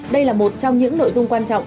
đây là một trong những nội dung quan trọng